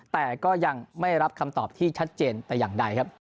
แต่ก็ยังไม่รับคำตอบที่ชัดเจนแต่อย่างใดครับ